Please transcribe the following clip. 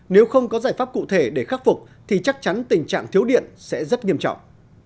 nếu không có giải pháp cụ thể để khắc phục thì chắc chắn tình trạng thiếu điện sẽ rất nghiêm trọng